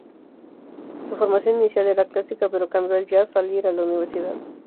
Su formación inicial era clásica, pero cambió al jazz al ir a la universidad.